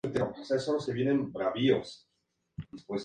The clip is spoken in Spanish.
Las areolas en el ángulo agudo del ápice.